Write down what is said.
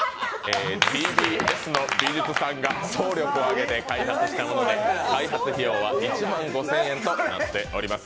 ＴＢＳの美術さんが総力を挙げて開発したもので開発費用は１万５０００円となっております。